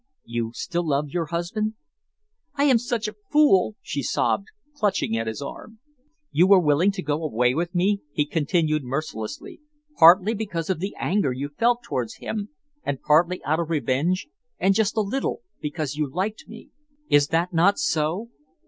You still love your husband?" "I am such a fool!" she sobbed, clutching at his arm. "You were willing to go away with me," he continued mercilessly, "partly because of the anger you felt towards him, and partly out of revenge, and just a little because you liked me. Is that not so?"